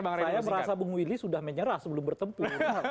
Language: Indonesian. mau singkat saya merasa bung willy sudah menyerah sebelum bertempur